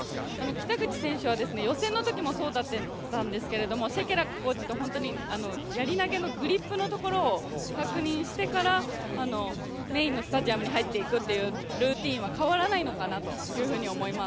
北口選手は予選のときもそうだったんですけれども、シェケラックコーチとやり投のグリップのところを確認してからメインのスタジアムに入っていくというルーティンは変わらないのかなというふうに思います。